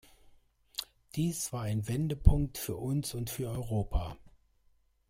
Dies war ein Wendepunkt für uns und für Europa.